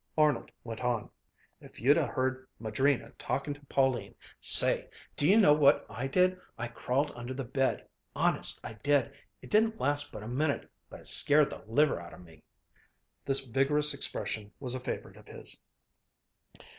Arnold went on, "If you'd ha' heard Madrina talking to Pauline say! Do you know what I did? I crawled under the bed honest I did. It didn't last but a minute, but it scared the liver out o' me." This vigorous expression was a favorite of his.